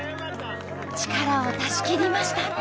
力を出しきりました。